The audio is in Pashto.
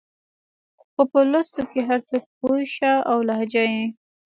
خو په لوستو کې هر څوک پوه شه او لهجه يې